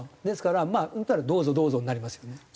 ですからまあどうぞどうぞになりますよね。